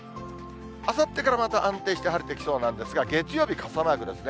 あさってから、また安定して晴れてきそうなんですが、月曜日、傘マークですね。